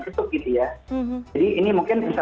ketuk gitu ya jadi ini mungkin bisa